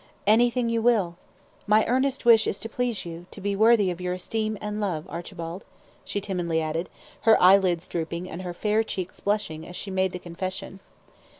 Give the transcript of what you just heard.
"Anything you will. My earnest wish is to please you; to be worthy of your esteem and love, Archibald," she timidly added, her eye lids drooping, and her fair cheeks blushing, as she made the confession.